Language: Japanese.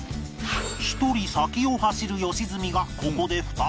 一人先を走る良純がここで再び